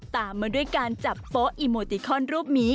ตามมาด้วยการจับโป๊อีโมติคอนรูปนี้